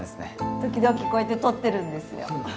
時々こうやって撮ってるんですよ